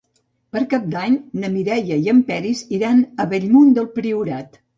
Per Cap d'Any na Mireia i en Peris iran a Bellmunt del Priorat.